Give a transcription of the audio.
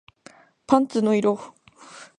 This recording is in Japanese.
パンツの色